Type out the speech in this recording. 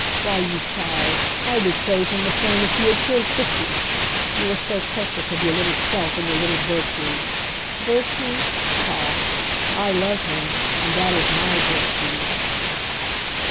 Why, you child, I would save him the same if he had killed fifty! You are so precious of your little self, and your little virtue! Virtue? Pah! I love him and that is my virtue!"